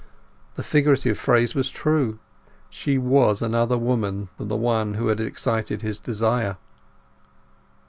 The figurative phrase was true: she was another woman than the one who had excited his desire.